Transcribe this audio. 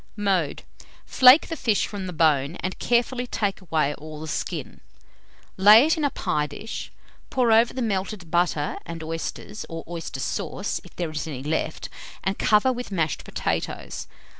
Mode. Flake the fish from the bone, and carefully take away all the skin. Lay it in a pie dish, pour over the melted butter and oysters (or oyster sauce, if there is any left), and cover with mashed potatoes.